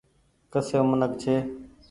ڪسي منک ڇي ۔